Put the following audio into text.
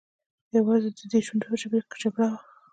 یوازې د ده د شونډو او ژبې جګړه وه.